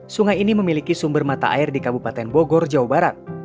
sungai ini memiliki sumber mata air di kabupaten bogor jawa barat